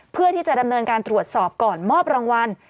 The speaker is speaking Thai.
เพื่อที่จะดำเนินการตรวจสอบก่อนมอบรางวัล